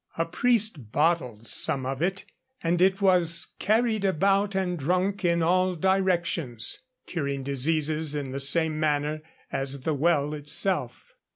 A priest bottled some of it, and it 'was carried about and drunk in all directions,' curing diseases in the same manner as the well itself.